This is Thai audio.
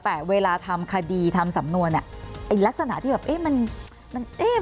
แต่เวลาทำคดีทำสำนวนอ่ะไอ้ลักษณะที่แบบเอ๊ะมันมันเอ๊ะ